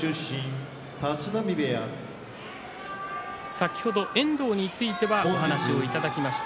先ほど遠藤についてお話をいただきました。